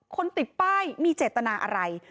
ติดป้ายมีเจตนาอะไร